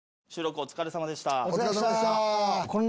お疲れさまでした。